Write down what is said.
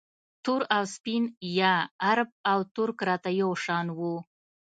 تور او سپین یا عرب او ترک راته یو شان وو